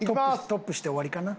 トップして終わりかな？